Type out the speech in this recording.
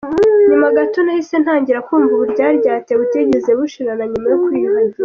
Nyuma gato nahise ntangira kumva uburyaryate, butigeze bushira na nyuma yo kwiyuhagira.